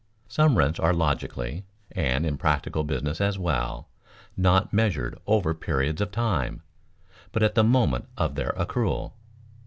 Some rents are logically, and in practical business as well, not measured over periods of time, but at the moment of their accrual.